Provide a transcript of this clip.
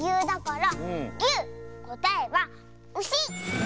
こたえはウシ！